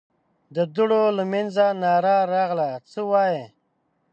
د دوړو له مينځه ناره راغله: څه وايې؟